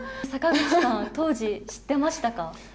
坂口さん、当時、知ってましたか？